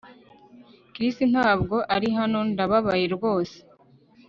Chris ntabwo ari hano ndababaye rwose